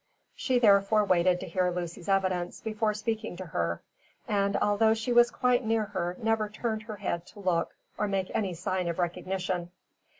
She therefore waited to hear Lucy's evidence before speaking to her, and although she was quite near her never turned her head to look or make any sign of recognition.